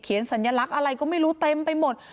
สัญลักษณ์อะไรก็ไม่รู้เต็มไปหมด